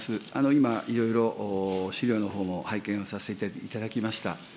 今、いろいろ資料のほうも拝見させていただきました。